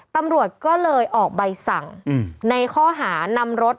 ตำรวจก็เลยออกใบสั่งในข้อหานำรถ